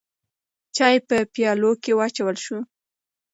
چای په پیالو کې واچول شو.